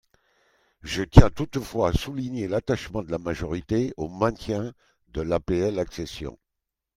Je tiens toutefois à souligner l’attachement de la majorité au maintien de l’APL accession.